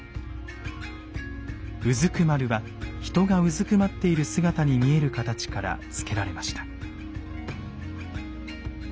「蹲」は人がうずくまっている姿に見える形から付けられました。